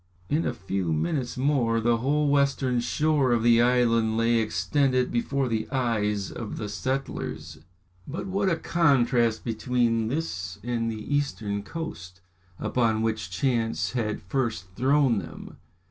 In a few minutes more, the whole western shore of the island lay extended before the eyes of the settlers. But what a contrast between this and the eastern coast, upon which chance had first thrown them.